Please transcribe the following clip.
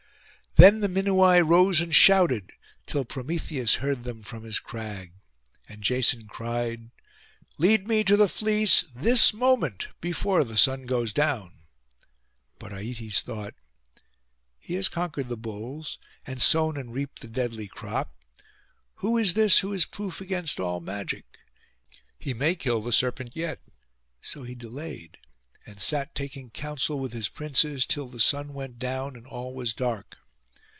Then the Minuai rose and shouted, till Prometheus heard them from his crag. And Jason cried, 'Lead me to the fleece this moment, before the sun goes down.' But Aietes thought, 'He has conquered the bulls, and sown and reaped the deadly crop. Who is this who is proof against all magic? He may kill the serpent yet.' So he delayed, and sat taking counsel with his princes till the sun went down and all was dark.